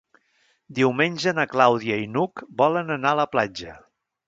Diumenge na Clàudia i n'Hug volen anar a la platja.